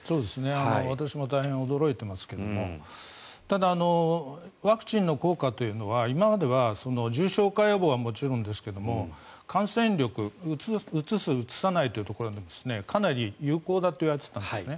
私も大変驚いていますけどただ、ワクチンの効果というのは今までは重症化予防はもちろんですが感染力、うつすうつさないというところでかなり有効だといわれていたんですね。